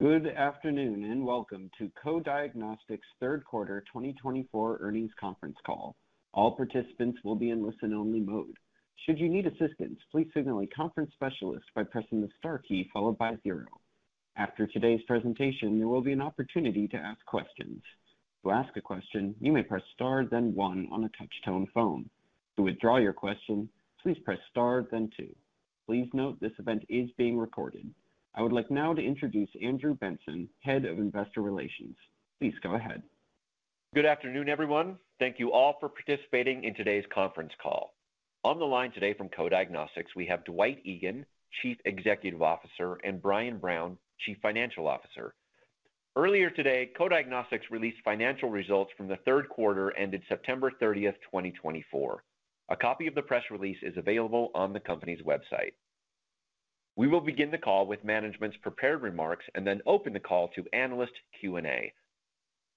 Good afternoon and welcome to Co-Diagnostics' Third Quarter 2024 Earnings Conference Call. All participants will be in listen-only mode. Should you need assistance, please signal a conference specialist by pressing the star key followed by zero. After today's presentation, there will be an opportunity to ask questions. To ask a question, you may press star, then one on a touch-tone phone. To withdraw your question, please press star, then two. Please note this event is being recorded. I would like now to introduce Andrew Benson, Head of Investor Relations. Please go ahead. Good afternoon, everyone. Thank you all for participating in today's conference call. On the line today from Co-Diagnostics, we have Dwight Egan, Chief Executive Officer, and Brian Brown, Chief Financial Officer. Earlier today, Co-Diagnostics released financial results from the third quarter ended September 30th, 2024. A copy of the press release is available on the company's website. We will begin the call with management's prepared remarks and then open the call to analyst Q&A.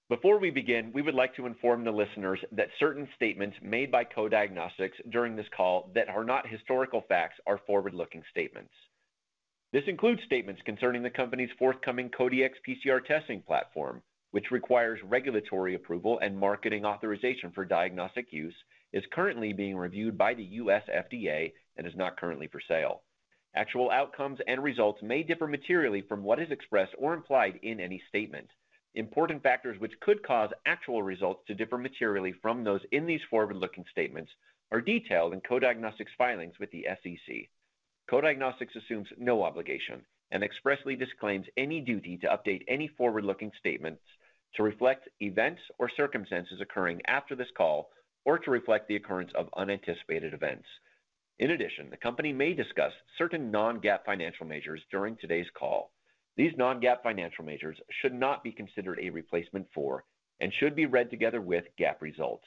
Before we begin, we would like to inform the listeners that certain statements made by Co-Diagnostics during this call that are not historical facts are forward-looking statements. This includes statements concerning the company's forthcoming Co-Dx PCR testing platform, which requires regulatory approval and marketing authorization for diagnostic use, is currently being reviewed by the U.S. FDA, and is not currently for sale. Actual outcomes and results may differ materially from what is expressed or implied in any statement. Important factors which could cause actual results to differ materially from those in these forward-looking statements are detailed in Co-Diagnostics' filings with the SEC. Co-Diagnostics assumes no obligation and expressly disclaims any duty to update any forward-looking statements to reflect events or circumstances occurring after this call or to reflect the occurrence of unanticipated events. In addition, the company may discuss certain non-GAAP financial measures during today's call. These non-GAAP financial measures should not be considered a replacement for and should be read together with GAAP results.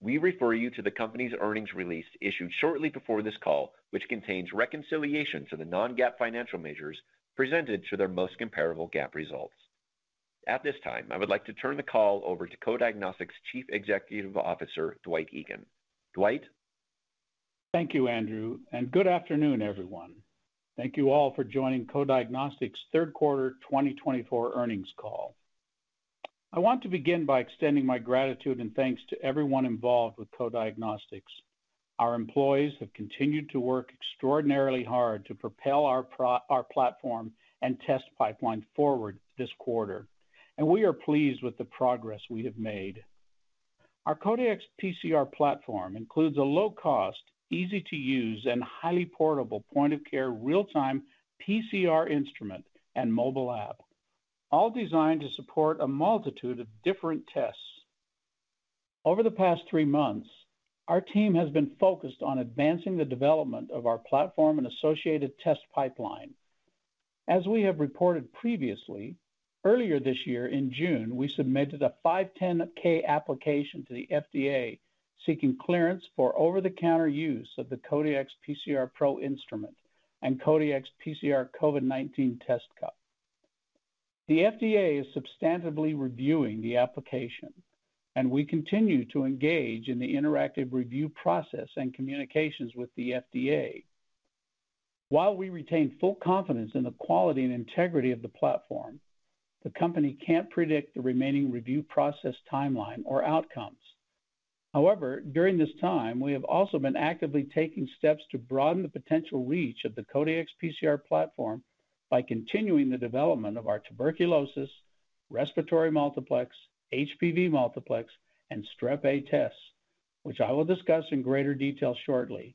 We refer you to the company's earnings release issued shortly before this call, which contains reconciliation to the non-GAAP financial measures presented to their most comparable GAAP results. At this time, I would like to turn the call over to Co-Diagnostics' Chief Executive Officer, Dwight Egan. Dwight. Thank you, Andrew. Good afternoon, everyone. Thank you all for joining Co-Diagnostics' Third Quarter 2024 earnings call. I want to begin by extending my gratitude and thanks to everyone involved with Co-Diagnostics. Our employees have continued to work extraordinarily hard to propel our platform and test pipeline forward this quarter, and we are pleased with the progress we have made. Our Co-Dx PCR platform includes a low-cost, easy-to-use, and highly portable point-of-care real-time PCR instrument and mobile app, all designed to support a multitude of different tests. Over the past three months, our team has been focused on advancing the development of our platform and associated test pipeline. As we have reported previously, earlier this year in June, we submitted a 510(k) application to the FDA seeking clearance for over-the-counter use of the Co-Dx PCR Pro instrument and Co-Dx PCR COVID-19 test cup. The FDA is substantively reviewing the application, and we continue to engage in the interactive review process and communications with the FDA. While we retain full confidence in the quality and integrity of the platform, the company can't predict the remaining review process timeline or outcomes. However, during this time, we have also been actively taking steps to broaden the potential reach of the Co-Dx PCR platform by continuing the development of our tuberculosis, respiratory multiplex, HPV multiplex, and strep A tests, which I will discuss in greater detail shortly.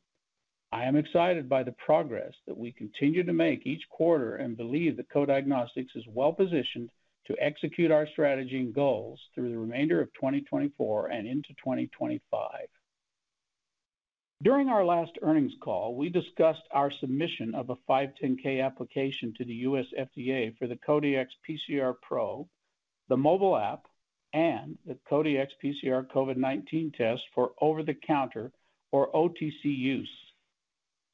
I am excited by the progress that we continue to make each quarter and believe that Co-Diagnostics is well positioned to execute our strategy and goals through the remainder of 2024 and into 2025. During our last earnings call, we discussed our submission of a 510(k) application to the U.S. FDA for the Co-Dx PCR Pro, the mobile app, and the Co-Dx PCR COVID-19 test for over-the-counter or OTC use.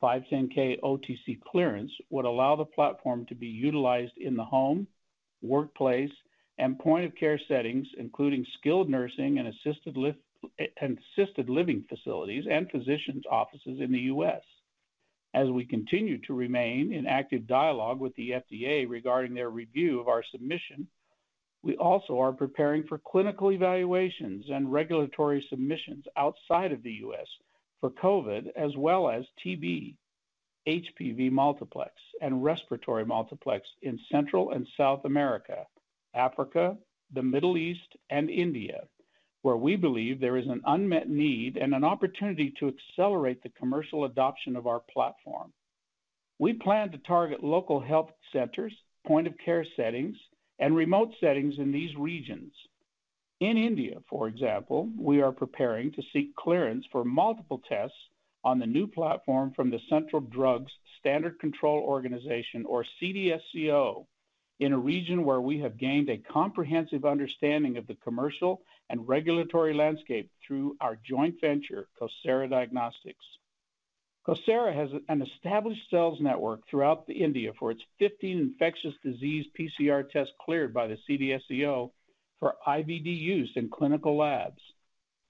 510(k) OTC clearance would allow the platform to be utilized in the home, workplace, and point-of-care settings, including skilled nursing and assisted living facilities and physicians' offices in the U.S. As we continue to remain in active dialogue with the FDA regarding their review of our submission, we also are preparing for clinical evaluations and regulatory submissions outside of the U.S. for COVID, as well as TB, HPV multiplex, and respiratory multiplex in Central and South America, Africa, the Middle East, and India, where we believe there is an unmet need and an opportunity to accelerate the commercial adoption of our platform. We plan to target local health centers, point-of-care settings, and remote settings in these regions. In India, for example, we are preparing to seek clearance for multiple tests on the new platform from the Central Drugs Standard Control Organization, or CDSCO, in a region where we have gained a comprehensive understanding of the commercial and regulatory landscape through our joint venture, CoSara Diagnostics. CoSara has an established sales network throughout India for its 15 infectious disease PCR tests cleared by the CDSCO for IVD use in clinical labs.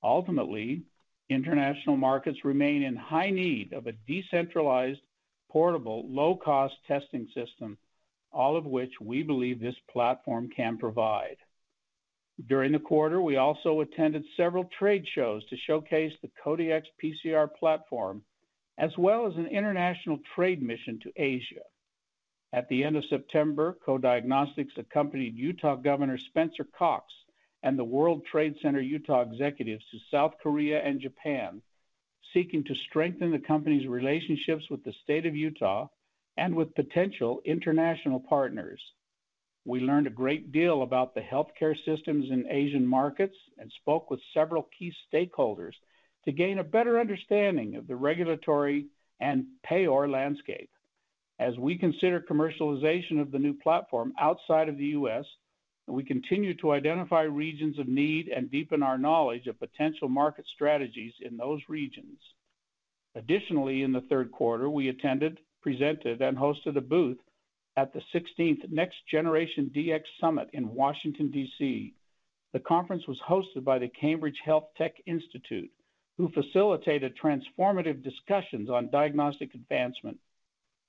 Ultimately, international markets remain in high need of a decentralized, portable, low-cost testing system, all of which we believe this platform can provide. During the quarter, we also attended several trade shows to showcase the Co-Dx PCR platform, as well as an international trade mission to Asia. At the end of September, Co-Diagnostics accompanied Utah Governor Spencer Cox and the World Trade Center Utah executives to South Korea and Japan, seeking to strengthen the company's relationships with the state of Utah and with potential international partners. We learned a great deal about the healthcare systems in Asian markets and spoke with several key stakeholders to gain a better understanding of the regulatory and payor landscape. As we consider commercialization of the new platform outside of the U.S., we continue to identify regions of need and deepen our knowledge of potential market strategies in those regions. Additionally, in the third quarter, we attended, presented, and hosted a booth at the 16th Next Generation Dx Summit in Washington, D.C. The conference was hosted by the Cambridge Healthtech Institute, who facilitated transformative discussions on diagnostic advancement.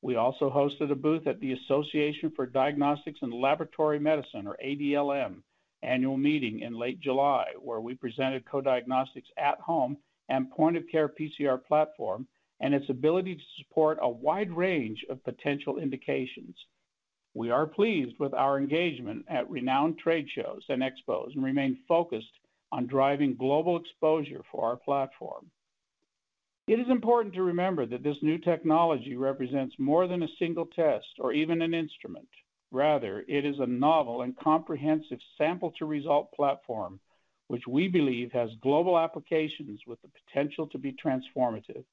We also hosted a booth at the Association for Diagnostics and Laboratory Medicine, or ADLM, annual meeting in late July, where we presented Co-Diagnostics' at-home and point-of-care PCR platform and its ability to support a wide range of potential indications. We are pleased with our engagement at renowned trade shows and expos and remain focused on driving global exposure for our platform. It is important to remember that this new technology represents more than a single test or even an instrument. Rather, it is a novel and comprehensive sample-to-result platform, which we believe has global applications with the potential to be transformative.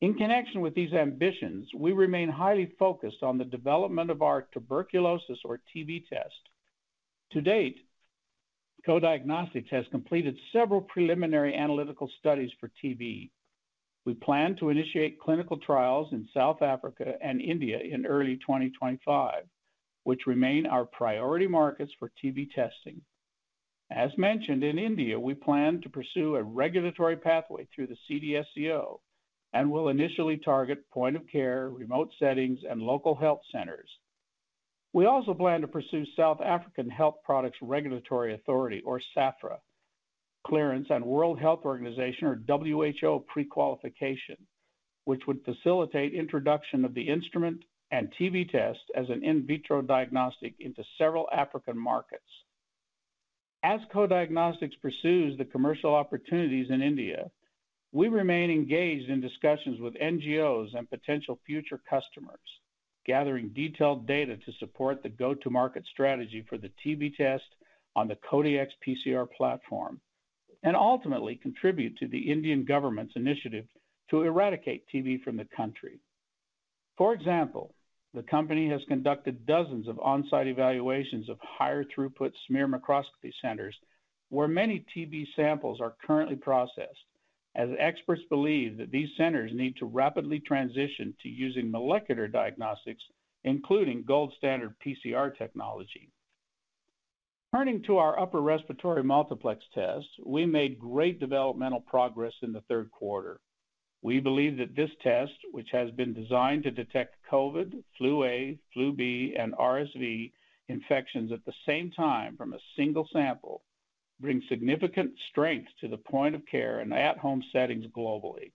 In connection with these ambitions, we remain highly focused on the development of our tuberculosis, or TB, test. To date, Co-Diagnostics has completed several preliminary analytical studies for TB. We plan to initiate clinical trials in South Africa and India in early 2025, which remain our priority markets for TB testing. As mentioned, in India, we plan to pursue a regulatory pathway through the CDSCO and will initially target point-of-care, remote settings, and local health centers. We also plan to pursue South African Health Products Regulatory Authority, or SAHPRA, clearance and World Health Organization, or WHO, pre-qualification, which would facilitate introduction of the instrument and TB test as an in vitro diagnostic into several African markets. As Co-Diagnostics pursues the commercial opportunities in India, we remain engaged in discussions with NGOs and potential future customers, gathering detailed data to support the go-to-market strategy for the TB test on the Co-Dx PCR platform, and ultimately contribute to the Indian government's initiative to eradicate TB from the country. For example, the company has conducted dozens of on-site evaluations of higher-throughput smear microscopy centers where many TB samples are currently processed, as experts believe that these centers need to rapidly transition to using molecular diagnostics, including gold-standard PCR technology. Turning to our upper respiratory multiplex test, we made great developmental progress in the third quarter. We believe that this test, which has been designed to detect COVID, flu A, flu B, and RSV infections at the same time from a single sample, brings significant strength to the point-of-care and at-home settings globally.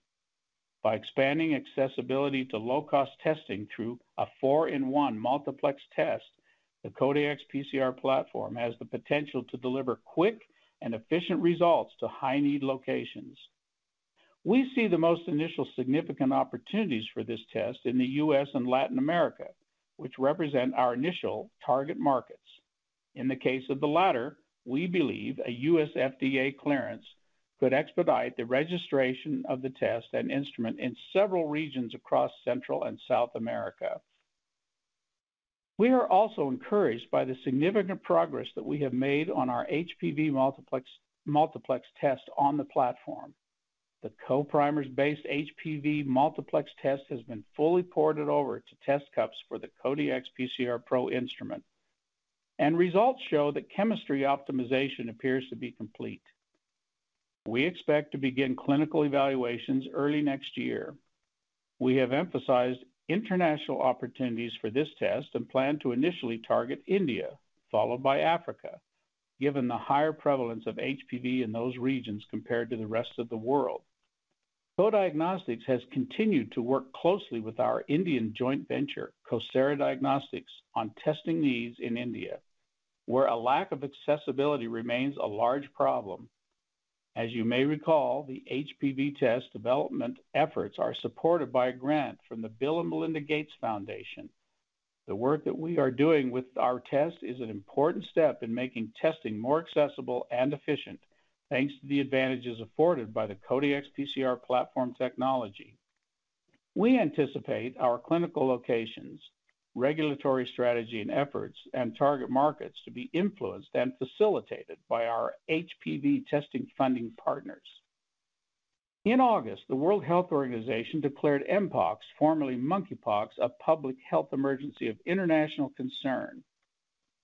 By expanding accessibility to low-cost testing through a four-in-one multiplex test, the Co-Dx PCR platform has the potential to deliver quick and efficient results to high-need locations. We see the most initial significant opportunities for this test in the U.S. and Latin America, which represent our initial target markets. In the case of the latter, we believe a U.S. FDA clearance could expedite the registration of the test and instrument in several regions across Central and South America. We are also encouraged by the significant progress that we have made on our HPV multiplex test on the platform. The Co-Primers-based HPV multiplex test has been fully ported over to test cups for the Co-Dx PCR Pro instrument, and results show that chemistry optimization appears to be complete. We expect to begin clinical evaluations early next year. We have emphasized international opportunities for this test and plan to initially target India, followed by Africa, given the higher prevalence of HPV in those regions compared to the rest of the world. Co-Diagnostics has continued to work closely with our Indian joint venture, CoSara Diagnostics, on testing needs in India, where a lack of accessibility remains a large problem. As you may recall, the HPV test development efforts are supported by a grant from the Bill & Melinda Gates Foundation. The work that we are doing with our test is an important step in making testing more accessible and efficient, thanks to the advantages afforded by the Co-Dx PCR platform technology. We anticipate our clinical locations, regulatory strategy and efforts, and target markets to be influenced and facilitated by our HPV testing funding partners. In August, the World Health Organization declared Mpox, formerly Monkeypox, a public health emergency of international concern.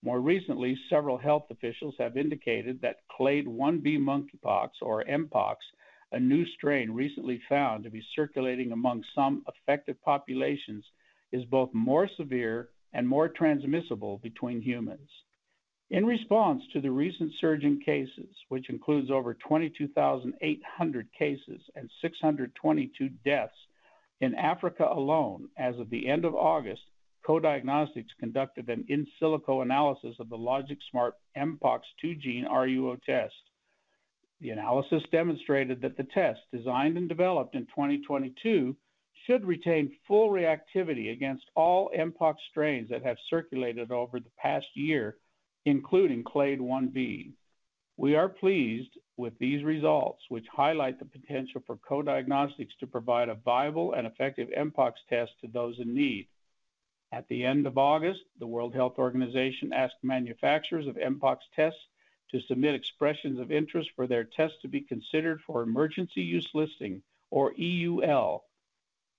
More recently, several health officials have indicated that Clade 1b Monkeypox, or Mpox, a new strain recently found to be circulating among some affected populations, is both more severe and more transmissible between humans. In response to the recent surge in cases, which includes over 22,800 cases and 622 deaths in Africa alone, as of the end of August, Co-Diagnostics conducted an in silico analysis of the Logix Smart Mpox (2-Gene) RUO test. The analysis demonstrated that the test, designed and developed in 2022, should retain full reactivity against all Mpox strains that have circulated over the past year, including clade 1b. We are pleased with these results, which highlight the potential for Co-Diagnostics to provide a viable and effective Mpox test to those in need. At the end of August, the World Health Organization asked manufacturers of Mpox tests to submit expressions of interest for their tests to be considered for emergency use listing, or EUL.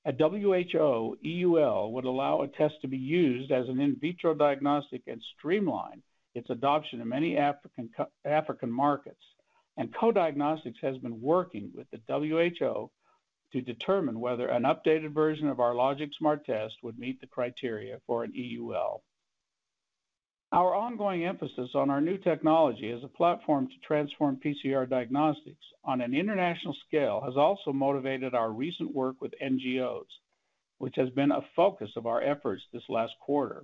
At WHO, EUL would allow a test to be used as an in vitro diagnostic and streamline its adoption in many African markets. Co-Diagnostics has been working with the WHO to determine whether an updated version of our Logix Smart test would meet the criteria for an EUL. Our ongoing emphasis on our new technology as a platform to transform PCR diagnostics on an international scale has also motivated our recent work with NGOs, which has been a focus of our efforts this last quarter.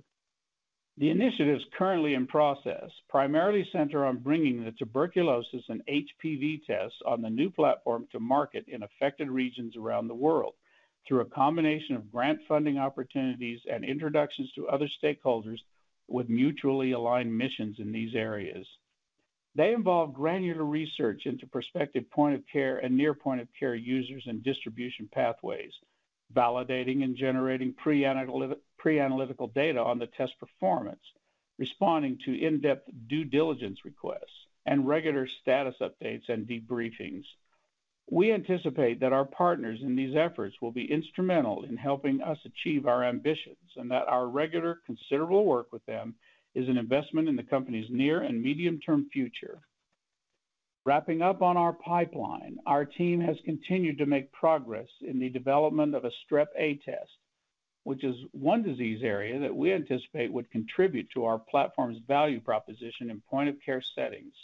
The initiatives currently in process primarily center on bringing the tuberculosis and HPV tests on the new platform to market in affected regions around the world through a combination of grant funding opportunities and introductions to other stakeholders with mutually aligned missions in these areas. They involve granular research into prospective point-of-care and near point-of-care users and distribution pathways, validating and generating pre-analytical data on the test performance, responding to in-depth due diligence requests, and regular status updates and debriefings. We anticipate that our partners in these efforts will be instrumental in helping us achieve our ambitions and that our regular, considerable work with them is an investment in the company's near and medium-term future. Wrapping up on our pipeline, our team has continued to make progress in the development of a Strep A test, which is one disease area that we anticipate would contribute to our platform's value proposition in point-of-care settings.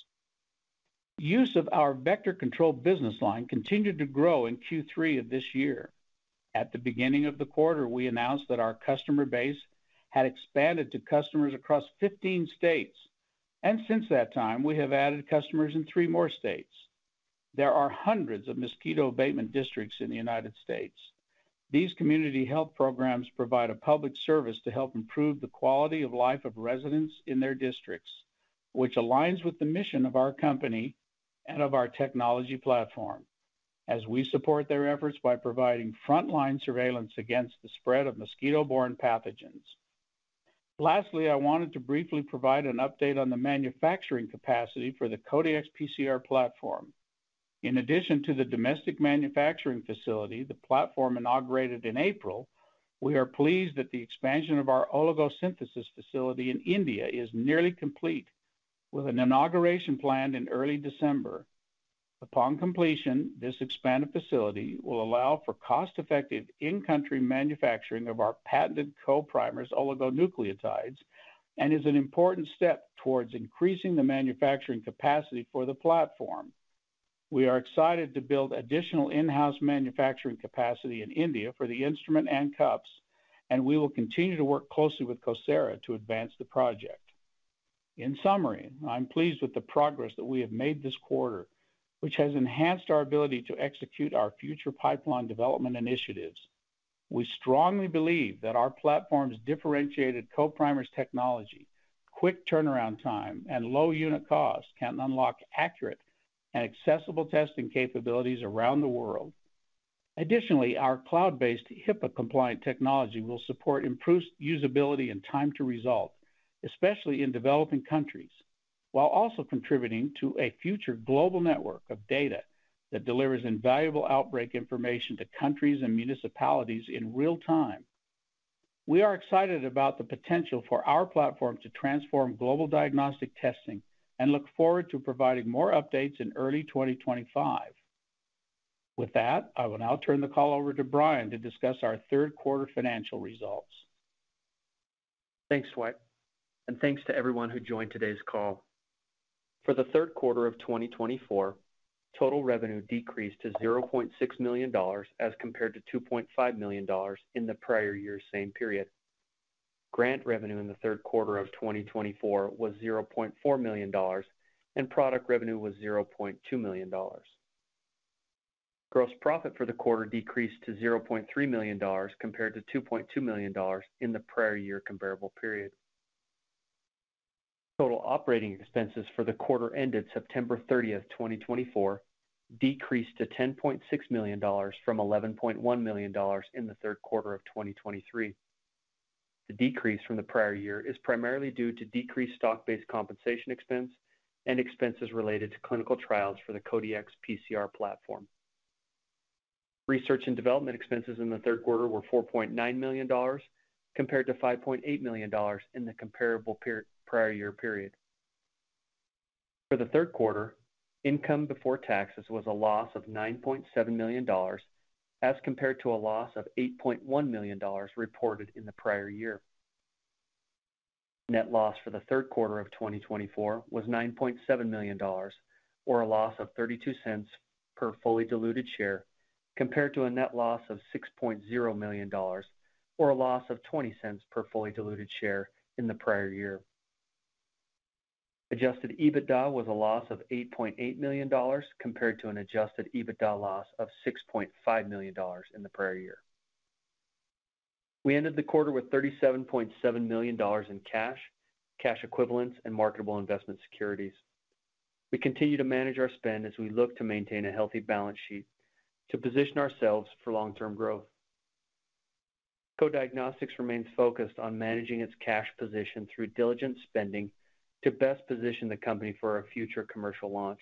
Use of our vector control business line continued to grow in Q3 of this year. At the beginning of the quarter, we announced that our customer base had expanded to customers across 15 states, and since that time, we have added customers in three more states. There are hundreds of mosquito abatement districts in the United States. These community health programs provide a public service to help improve the quality of life of residents in their districts, which aligns with the mission of our company and of our technology platform, as we support their efforts by providing frontline surveillance against the spread of mosquito-borne pathogens. Lastly, I wanted to briefly provide an update on the manufacturing capacity for the Co-Dx PCR platform. In addition to the domestic manufacturing facility the platform inaugurated in April, we are pleased that the expansion of our oligosynthesis facility in India is nearly complete, with an inauguration planned in early December. Upon completion, this expanded facility will allow for cost-effective in-country manufacturing of our patented Co-Primers oligonucleotides and is an important step towards increasing the manufacturing capacity for the platform. We are excited to build additional in-house manufacturing capacity in India for the instrument and cups, and we will continue to work closely with CoSara to advance the project. In summary, I'm pleased with the progress that we have made this quarter, which has enhanced our ability to execute our future pipeline development initiatives. We strongly believe that our platform's differentiated Co-Primers technology, quick turnaround time, and low unit cost can unlock accurate and accessible testing capabilities around the world. Additionally, our cloud-based HIPAA-compliant technology will support improved usability and time to result, especially in developing countries, while also contributing to a future global network of data that delivers invaluable outbreak information to countries and municipalities in real time. We are excited about the potential for our platform to transform global diagnostic testing and look forward to providing more updates in early 2025. With that, I will now turn the call over to Brian to discuss our third quarter financial results. Thanks, Dwight, and thanks to everyone who joined today's call. For the third quarter of 2024, total revenue decreased to $0.6 million as compared to $2.5 million in the prior year's same period. Grant revenue in the third quarter of 2024 was $0.4 million, and product revenue was $0.2 million. Gross profit for the quarter decreased to $0.3 million compared to $2.2 million in the prior year comparable period. Total operating expenses for the quarter ended September 30, 2024, decreased to $10.6 million from $11.1 million in the third quarter of 2023. The decrease from the prior year is primarily due to decreased stock-based compensation expense and expenses related to clinical trials for the Co-Dx PCR platform. Research and development expenses in the third quarter were $4.9 million compared to $5.8 million in the comparable prior year period. For the third quarter, income before taxes was a loss of $9.7 million as compared to a loss of $8.1 million reported in the prior year. Net loss for the third quarter of 2024 was $9.7 million, or a loss of $0.32 per fully diluted share, compared to a net loss of $6.0 million, or a loss of $0.20 per fully diluted share in the prior year. Adjusted EBITDA was a loss of $8.8 million compared to an adjusted EBITDA loss of $6.5 million in the prior year. We ended the quarter with $37.7 million in cash, cash equivalents, and marketable investment securities. We continue to manage our spend as we look to maintain a healthy balance sheet to position ourselves for long-term growth. Co-Diagnostics remains focused on managing its cash position through diligent spending to best position the company for a future commercial launch.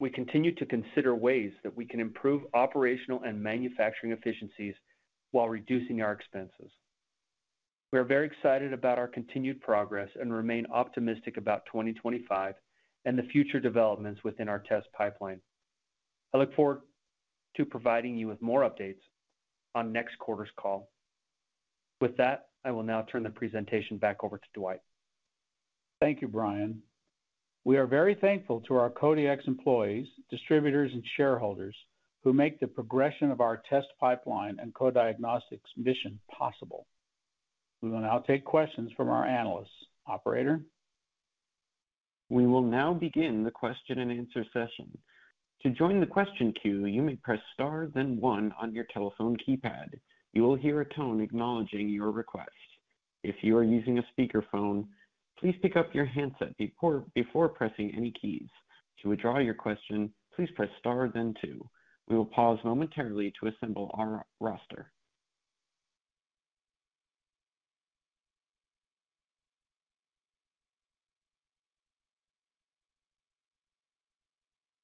We continue to consider ways that we can improve operational and manufacturing efficiencies while reducing our expenses. We are very excited about our continued progress and remain optimistic about 2025 and the future developments within our test pipeline. I look forward to providing you with more updates on next quarter's call. With that, I will now turn the presentation back over to Dwight. Thank you, Brian. We are very thankful to our Co-Dx employees, distributors, and shareholders who make the progression of our test pipeline and Co-Diagnostics mission possible. We will now take questions from our analysts. Operator. We will now begin the question and answer session. To join the question queue, you may press star, then one on your telephone keypad. You will hear a tone acknowledging your request. If you are using a speakerphone, please pick up your handset before pressing any keys. To withdraw your question, please press star, then two. We will pause momentarily to assemble our roster.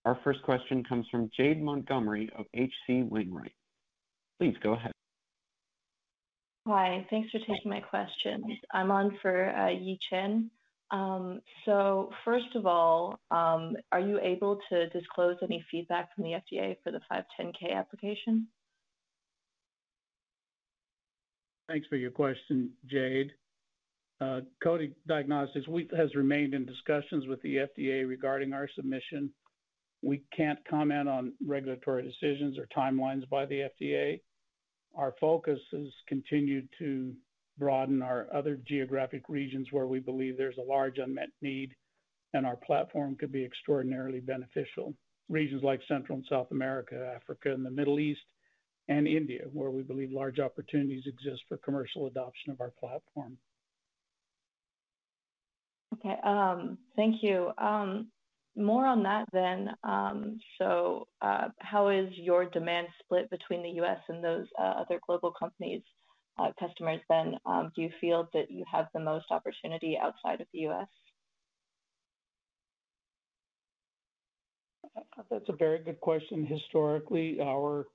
Our first question comes from Jade Montgomery of H.C. Wainwright. Please go ahead. Hi. Thanks for taking my question. I'm on for Yi Chen. So first of all, are you able to disclose any feedback from the FDA for the 510(k) application? Thanks for your question, Jade. Co-Diagnostics has remained in discussions with the FDA regarding our submission. We can't comment on regulatory decisions or timelines by the FDA. Our focus has continued to broaden our other geographic regions where we believe there's a large unmet need, and our platform could be extraordinarily beneficial. Regions like Central and South America, Africa, and the Middle East, and India, where we believe large opportunities exist for commercial adoption of our platform. Okay. Thank you. More on that then. So how is your demand split between the U.S. and those other global companies, customers then? Do you feel that you have the most opportunity outside of the U.S.? That's a very good question. Historically, our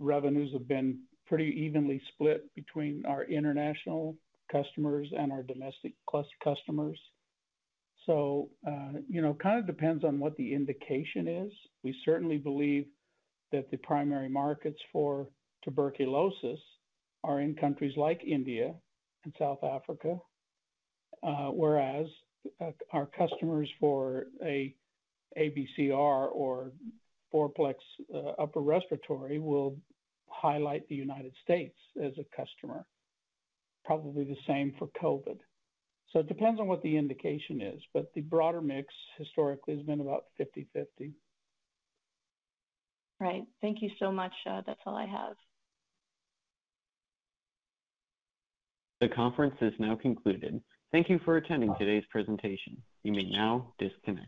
revenues have been pretty evenly split between our international customers and our domestic customers. So it kind of depends on what the indication is. We certainly believe that the primary markets for tuberculosis are in countries like India and South Africa, whereas our customers for an ABCR or fourplex upper respiratory will highlight the United States as a customer. Probably the same for COVID. So it depends on what the indication is, but the broader mix historically has been about 50/50. Right. Thank you so much. That's all I have. The conference is now concluded. Thank you for attending today's presentation. You may now disconnect.